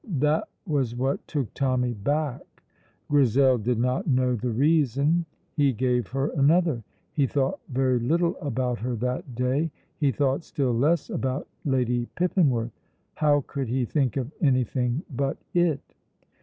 That was what took Tommy back. Grizel did not know the reason; he gave her another. He thought very little about her that day. He thought still less about Lady Pippinworth. How could he think of anything but it?